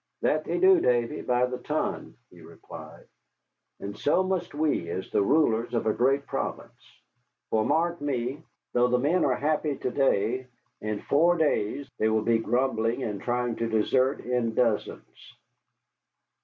"That they do, Davy, by the ton," he replied, "and so must we, as the rulers of a great province. For mark me, though the men are happy to day, in four days they will be grumbling and trying to desert in dozens."